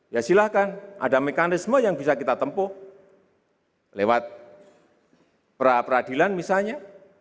ya silahkan ada mekanisme yang bisa kita tempuh lewat pra peradilan misalnya